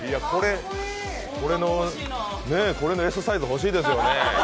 これのＳサイズ欲しいですよね。